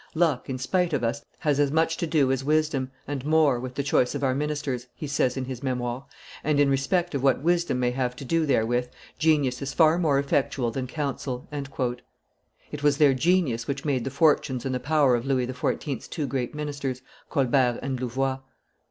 "Luck, in spite of us, has as much to do as wisdom and more with the choice of our ministers," he says in his Memoires, "and, in respect of what wisdom may have to do therewith, genius is far more effectual than counsel." It was their genius which made the fortunes and the power of Louis XIV.'s two great ministers, Colbert and Louvois.